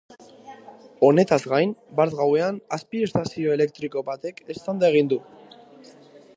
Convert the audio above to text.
Honetaz gain, bart gauean azpi-estazio elektriko batek eztanda egin du.